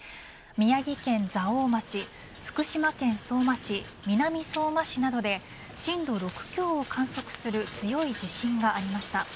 宮城県蔵王町福島県相馬市南相馬市などで震度６強を観測する強い地震がありました。